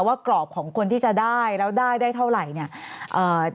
กรอบของคนที่จะได้แล้วได้ได้เท่าไหร่เนี่ย